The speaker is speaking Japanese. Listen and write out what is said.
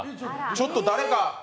ちょっと誰か？